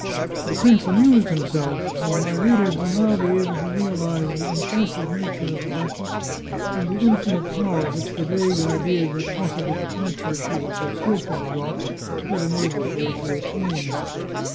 The prince amused himself, and my readers will now be able to realize the impulsive nature of the duchess, and the 132 The Chartreuse of Parma infinite power which the vague ideas of possible departure she had so skilfully dropped had enabled her to attain.